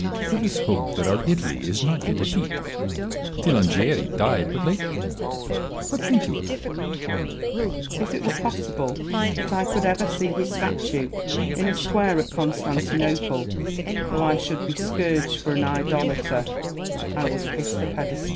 Salomon. Let us hope that our Italy is not yet effete. Filangieri died but lately : what think you of him ? AJJieri. If it were possible that I could ever see his statue in a square at Constantinople, though I should be scourged for an idolater, I would kiss the pedestal.